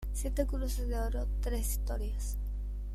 Siete cruces de oro, tres historias.